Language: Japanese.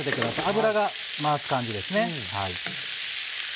油を回す感じですね。